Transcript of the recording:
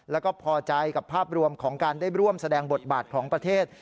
แล้วก็พอใจกับภาพรวมของการได้ร่วมแสดงบทบาทของประเทศ